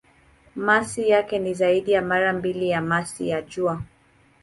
Masi yake ni zaidi ya mara mbili ya masi ya Jua.